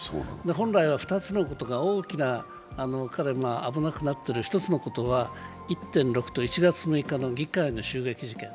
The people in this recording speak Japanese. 本来は２つのことが大きな、彼が危なくなってる１つのことは１．６と１月６日の議会襲撃事件。